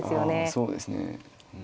あそうですね。